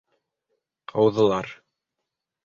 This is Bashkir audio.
Ҡыуҙылар!